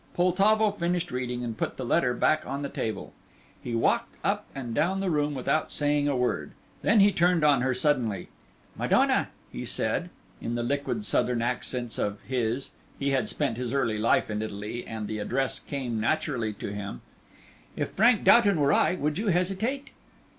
Poltavo finished reading, and put the letter back on the table; he walked up and down the room without saying a word, then he turned on her suddenly. "Madonna!" he said, in the liquid Southern accents of his he had spent his early life in Italy and the address came naturally to him "if Frank Doughton were I, would you hesitate?"